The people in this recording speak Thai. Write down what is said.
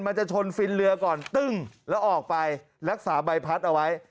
มันจะชนฟินเรือก่อนตึ้งแล้วออกไปรักษาใบพัดเอาไว้